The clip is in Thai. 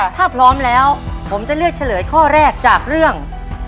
ถ้าพร้อมแล้วผมจะเลือกเฉลยข้อแรกจากเรื่อง